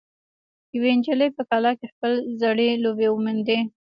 یوه نجلۍ په کلا کې خپلې زړې لوبې وموندې.